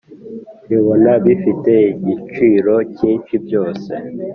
ribona ibifite igiciro cyinshi byose